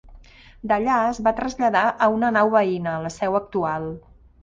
D'allà es va traslladar a una nau veïna, la seu actual.